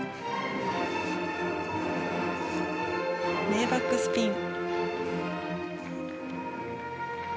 レイバックスピン。